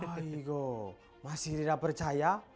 aigo masih tidak percaya